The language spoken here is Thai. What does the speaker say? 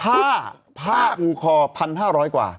ผ้าผ้าภูคอ๑๕๐๐กว่า